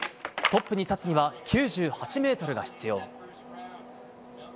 トップに立つには９８ｍが必要。